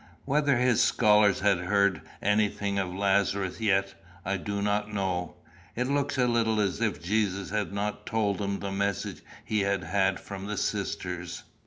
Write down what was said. "Whether his scholars had heard anything of Lazarus yet, I do not know. It looks a little as if Jesus had not told them the message he had had from the sisters.